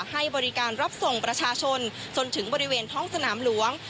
ให้บริการรับส่งประชาชนจนถึงบริเวณท้องสนามหลวง